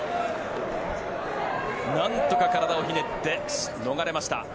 なんとか体をひねって逃れました。